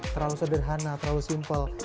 terlalu sederhana terlalu simple